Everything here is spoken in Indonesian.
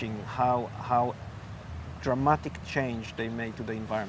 perubahan yang dramatik yang mereka lakukan dengan alam